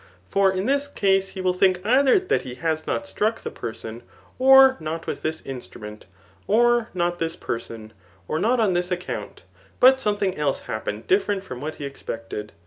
For in this case, he will think either that ?ie has not struck the person, or not with this instrument, or not this person, or not on this account, but something else happened diflferent from what he expected.